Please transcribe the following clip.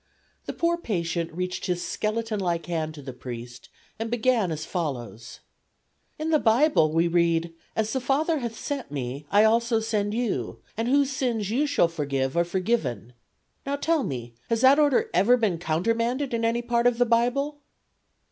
The poor patient reached his skeleton like hand to the priest and began as follows: "In the Bible we read 'as the Father hath sent Me, I also send you, and whose sins you shall forgive are forgiven.' Now tell me has that order ever been countermanded in any part of the Bible?"